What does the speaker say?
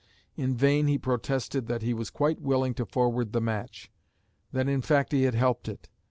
In vain he protested that he was quite willing to forward the match; that in fact he had helped it.